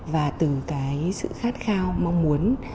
và từ cái sự khát khao mong muốn